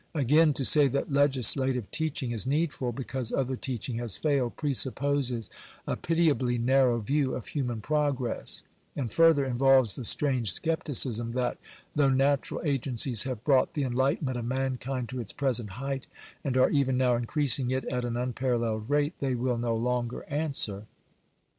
Again, to say that legislative teaching is needful, because other teaching has failed, presupposes a pitiably narrow view of human progress ; and further, involves the strange scepticism that, though natural agencies have brought the enlightenment of mankind to its present height, and are even now increasing it at an unparalleled rate, they will no longer answer.